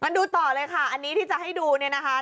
ดูต่อเลยค่ะอันนี้ที่จะให้ดูเนี่ยนะคะ